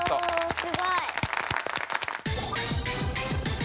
すごい。